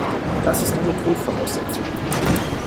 Das ist eine Grundvoraussetzung.